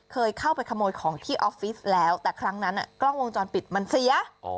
เคยเข้าไปขโมยของที่ออฟฟิศแล้วแต่ครั้งนั้นกล้องวงจรปิดมันเสีย